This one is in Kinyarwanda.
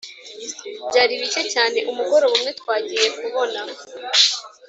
byari bike cyane umugoroba umwe twagiye kubona